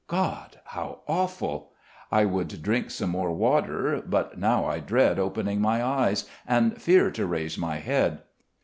God, how awful! I would drink some more water; but now I dread opening my eyes, and fear to raise my head.